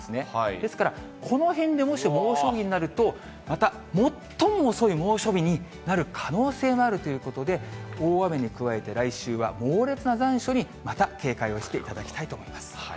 ですからこのへんでもし猛暑日になると、また最も遅い猛暑日になる可能性があるということで、大雨に加えて、来週は猛烈な残暑にまた警戒をしていただきたいと思います。